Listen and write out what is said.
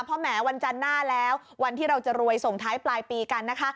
เพราะแหมวันจันทร์หน้าแล้ววันที่เราจะรวยส่งท้ายปลายปีกันนะคะ